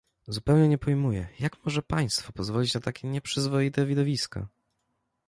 "Zupełnie nie pojmuję, jak może państwo pozwolić na takie nieprzyzwoite widowiska?"